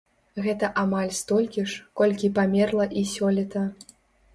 Гэта амаль столькі ж, колькі памерла і сёлета.